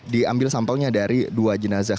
diambil sampelnya dari dua jenazah